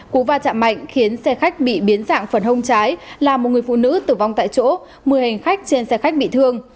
cú va chạm mạnh khiến xe khách bị biến dạng phần hông trái là một người phụ nữ tử vong tại chỗ một mươi hành khách trên xe khách bị thương